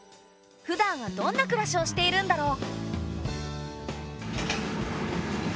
ふだんはどんな暮らしをしているんだろう。